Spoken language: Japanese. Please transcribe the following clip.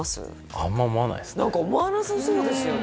あんま思わないですね